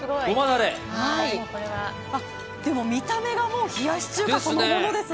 見た目が、もう冷やし中華そのものですね。